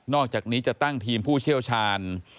อกจากนี้จะตั้งทีมผู้เชี่ยวชาญ